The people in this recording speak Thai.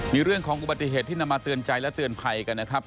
มีเรื่องของอุบัติเหตุที่นำมาเตือนใจและเตือนภัยกันนะครับ